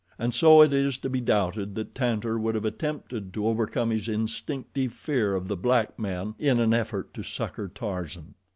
And so it is to be doubted that Tantor would have attempted to overcome his instinctive fear of the black men in an effort to succor Tarzan.